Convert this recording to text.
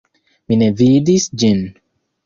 Mi ne vidis ĝin.